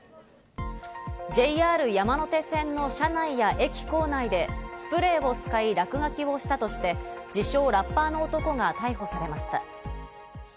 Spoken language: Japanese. ＪＲ山手線の車内や駅構内でスプレーを使い落書きをしたとして、自称ラッパーの男が逮捕されました。